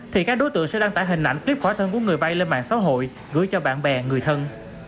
thì các đối tượng sẽ đăng tải hình ảnh clip khỏa thân của người vay lên mạng xã hội gửi cho bạn bè người thân